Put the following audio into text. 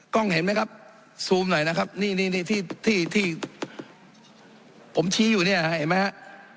กล้องเห็นไหมครับซูมหน่อยนะครับนี่นี่ที่ที่ผมชี้อยู่เนี่ยเห็นไหมฮะ